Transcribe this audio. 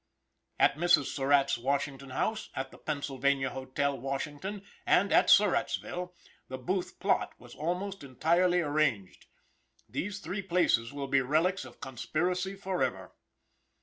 At Mrs. Burratt's Washington house, at the Pennsylvania Hotel, Washington, and at Surrattsville, the Booth plot was almost entirely arranged. These three places will be relics of conspiracy forever.